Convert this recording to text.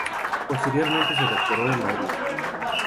Posteriormente se doctoró en Madrid.